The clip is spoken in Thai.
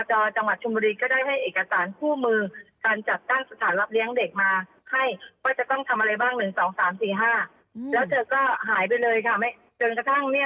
เธอก็หายไปเลยค่ะจนกระทั่งปีนี้